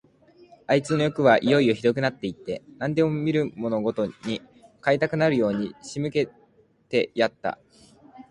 あいつのよくはいよいよひどくなって行って、何でも見るものごとに買いたくなるように仕向けてやった。